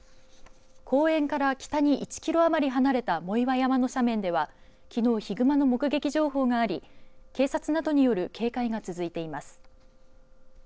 公園から北に１キロ余り離れた藻岩山の斜面ではきのうヒグマの目撃情報があり警察などによる警戒が続いています。